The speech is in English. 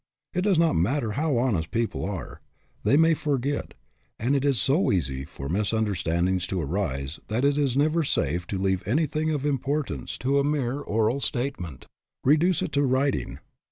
It does not matter how honest people are, they may forget, and it is so easy for misunder standings to arise that it is never safe to leave anything of importance to a mere oral state ment. Reduce it to writing.